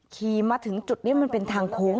ขี่มาถึงจุดนี้มันเป็นทางโค้ง